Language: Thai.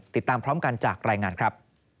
ติดตามพร้อมกันจากรายงานครับ